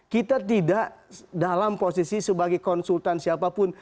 kita tidak dalam posisi sebagai konsultan siapapun